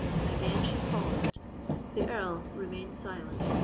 Again she paused: the Earl remained silent.